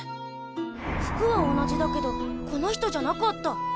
服は同じだけどこの人じゃなかった。